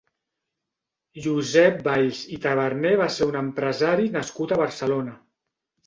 Josep Valls i Taberner va ser un empresari nascut a Barcelona.